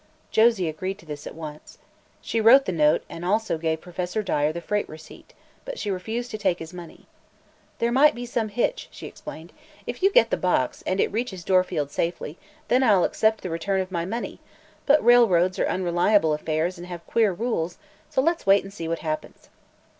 Josie agreed to this at once. She wrote the note and also gave Professor Dyer the freight receipt. But she refused to take his money. "There might be some hitch," she explained. "If you get the box, and it reaches Dorfield safely, then I'll accept the return of my money; but railroads are unreliable affairs and have queer rules, so let's wait and see what happens."